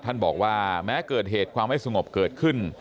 ท่านบอกว่าแม้เกิดเหตุความไม่สงบเกิดขึ้น